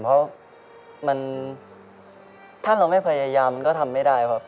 เพราะถ้าเราไม่พยายามมันก็ทำไม่ได้ครับ